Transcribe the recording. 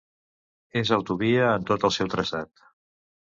És autovia en tot al seu traçat.